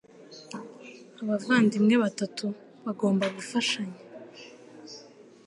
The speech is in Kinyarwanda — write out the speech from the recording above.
Abavandimwe batatu bagomba gufashanya